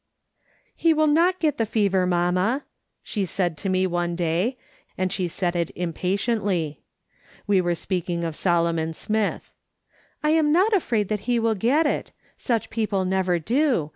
" He will not get the fever, mamma," she said to me one day, and she said it impatiently. "VVe were speaking of Solomon Smith ;" I am not afraid that he will get it. Such people never do.